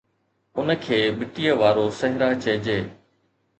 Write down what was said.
ان کي مٽيءَ وارو صحرا چئجي